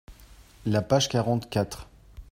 la page quarante quatre.